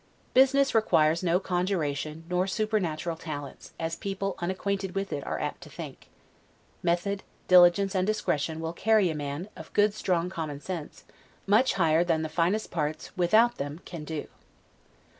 Business requires no conjuration nor supernatural talents, as people unacquainted with it are apt to think. Method, diligence, and discretion, will carry a man, of good strong common sense, much higher than the finest parts, without them, can do.